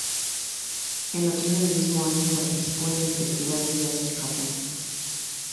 En otoño del mismo año participó en el Festival de Jazz en Japón.